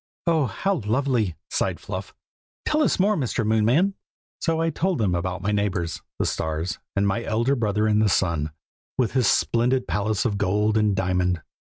"Oh, how lovely!" sighed Fluff. "Tell us more, Mr. Moonman!" So I told them about my neighbors, the stars, and my elder brother in the Sun, with his splendid palace of gold and diamond.